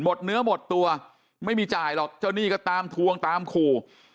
เนื้อหมดตัวไม่มีจ่ายหรอกเจ้าหนี้ก็ตามทวงตามขู่